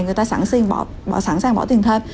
người ta sẵn sàng bỏ tiền thêm